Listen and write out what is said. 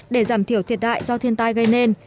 để giảm thiểu thiệt hại do thiên tai gây nên